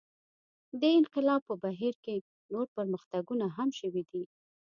دې انقلاب په بهیر کې نور پرمختګونه هم شوي دي.